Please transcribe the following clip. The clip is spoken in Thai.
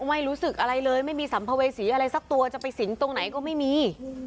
ไม่รู้สึกอะไรเลยไม่มีสัมภเวษีอะไรสักตัวจะไปสิงตรงไหนก็ไม่มี